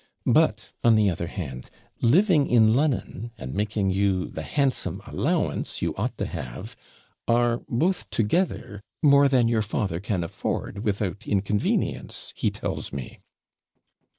But, on the other hand, living in Lon'on, and making you the handsome allowance you ought to have, are, both together, more than your father can afford, without inconvenience, he tells me.'